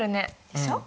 でしょ？